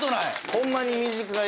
ホンマに短い。